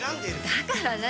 だから何？